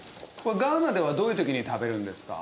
ガーナではどういう時に食べるんですか？